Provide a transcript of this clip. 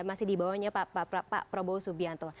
masih di bawahnya pak prabowo subianto